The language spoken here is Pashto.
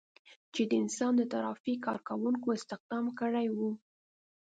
چې د انسان د ترافیک کار کوونکو استخدام کړي وو.